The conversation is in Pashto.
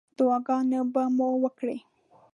دعاګانې به مو وکړې.